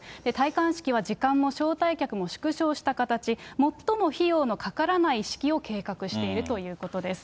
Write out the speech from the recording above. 戴冠式は時間も招待客も縮小した形、最も費用のかからない式を計画しているということです。